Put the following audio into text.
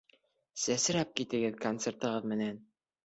Сәсрәп китегеҙ концертығыҙ менән!